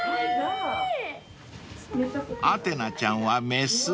［アテナちゃんはメス］